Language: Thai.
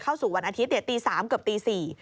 เข้าสู่วันอาทิตย์ตี๓เกือบตี๔